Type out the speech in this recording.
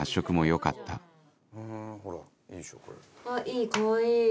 いいかわいい。